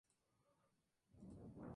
Creció en una familia afroamericana.